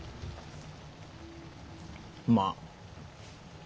まあ。